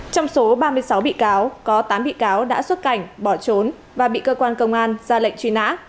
trong số ba mươi sáu bị cáo có tám bị cáo đã xuất cảnh bỏ trốn và bị cơ quan công an ra lệnh truy nã